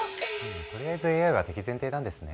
とりあえずＡＩは敵前提なんですね。